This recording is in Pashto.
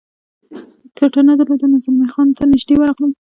ګټه نه درلوده، نو زلمی خان ته نږدې ورغلم.